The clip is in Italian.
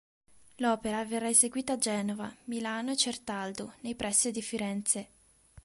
L'opera verrà eseguita a Genova, Milano e Certaldo, nei pressi di Firenze.